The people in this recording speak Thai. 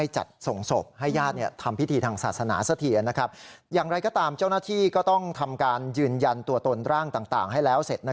เจ้าหน้าที่ก็ต้องทำการยืนยันตัวตนร่างต่างให้เสร็จ